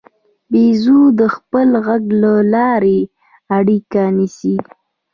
بیزو د خپل غږ له لارې اړیکه نیسي.